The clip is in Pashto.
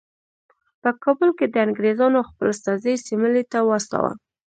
په کابل کې د انګریزانو خپل استازی سیملې ته واستاوه.